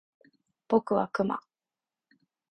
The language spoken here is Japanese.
僕はクマ